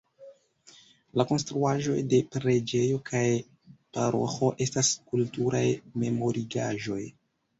La konstruaĵoj de preĝejo kaj paroĥo estas kulturaj memorigaĵoj.